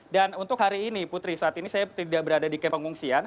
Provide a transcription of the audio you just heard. dan untuk hari ini putri saat ini saya tidak berada di camp pengungsian